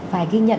vài ghi nhận